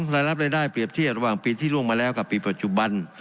รายได้เปรียบเทียบระหว่างปีที่ล่วงมาแล้วกับปีปัจจุบัน